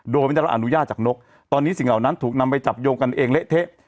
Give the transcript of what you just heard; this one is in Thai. โดยไม่ได้รับอนุญาตจากนกตอนนี้สิ่งเหล่านั้นถูกนำไปจับโยงกันเองเละเทะ